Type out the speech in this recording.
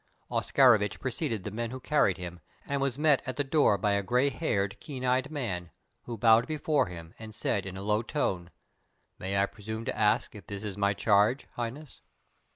Oscarovitch preceded the men who carried him, and was met at the door by a grey haired, keen eyed man, who bowed before him, and said in a low tone: "May I presume to ask if this is my charge, Highness?"